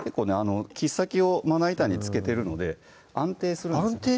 切っ先をまな板につけてるので安定するんですね